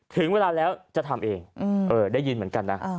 ถึงเวลาแล้วจะทำเองได้ยินเหมือนกันนะ